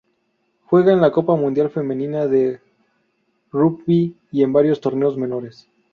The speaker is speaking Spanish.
Juega en la Copa Mundial Femenina de Rugby y en varios torneos menores.